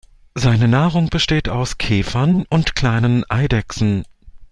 Seine Nahrung besteht aus Käfern und kleinen Eidechsen.